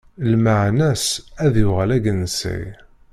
Lmeɛna-s ad yuɣal d agensay.